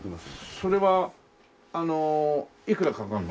それはあのいくらかかるの？